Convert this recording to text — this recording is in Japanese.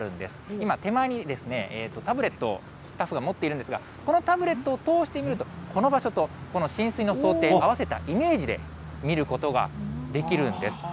今、手前にタブレットをスタッフが持っているんですが、このタブレットを通して見ると、この場所とこの浸水の想定を合わせたイメージで見ることができるんです。